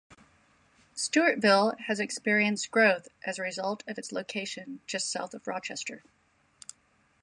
Stewartville has experienced growth as a result of its location just south of Rochester.